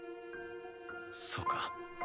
そうか。